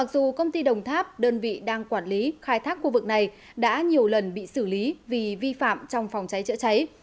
dù công ty đồng tháp đơn vị đang quản lý khai thác khu vực này đã nhiều lần bị xử lý vì vi phạm trong phòng cháy chữa cháy